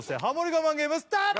我慢ゲームスタート！